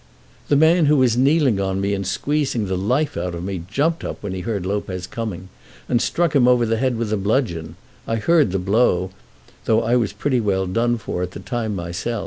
"The man who was kneeling on me and squeezing the life out of me jumped up when he heard Lopez coming, and struck him over the head with a bludgeon. I heard the blow, though I was pretty well done for at the time myself.